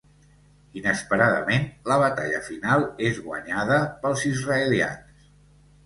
Inesperadament, la batalla final és guanyada pels israelians.